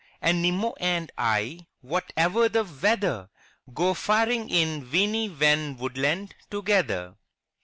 And Nimmo and I, whatever the weather. Go faring in Weeny Wen Woodland together.